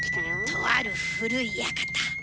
とある古い館。